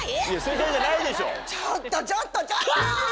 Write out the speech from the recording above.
ちょっとちょっとちょっと。